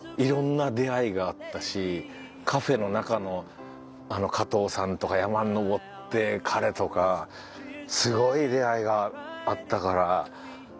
色んな出会いがあったしカフェの中のあのカトウさんとか山に登って彼とかすごい出会いがあったから。